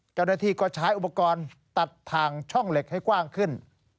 เจ้าหน้าที่ก็ใช้อุปกรณ์ตัดทางช่องเหล็กให้กว้างขึ้น